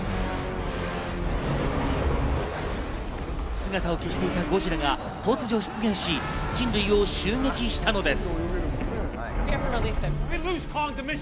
姿を消していたゴジラが突如出現し、人類を襲撃したのです。